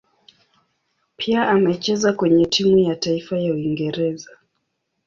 Pia amecheza kwenye timu ya taifa ya Uingereza.